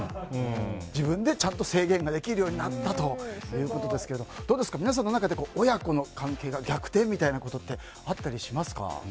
自分でちゃんと制限ができるようになったということですがどうですか、皆さんの中で親子の関係が逆転みたいなことってあったりしますか？